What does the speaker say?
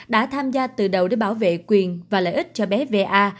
đã tham gia từ đầu để bảo vệ quyền và lợi ích cho bé va